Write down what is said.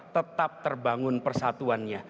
tetap terbangun persatuannya